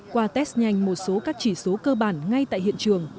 qua test nhanh một số các chỉ số cơ bản ngay tại hiện trường